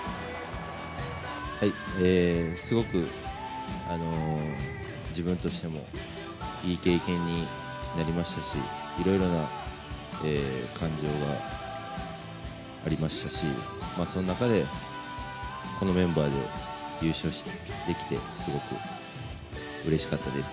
すごく自分としてもいい経験になりましたしいろいろな感情がありましたし、その中でこのメンバーで優勝できてすごくうれしかったです。